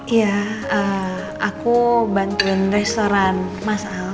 iya aku bantuin restoran mas al